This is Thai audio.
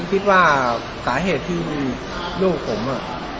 คิดว่าสาเหตุที่ลูกผมอ่ะ